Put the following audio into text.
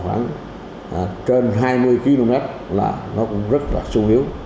khoảng trên hai mươi km là nó cũng rất là sung yếu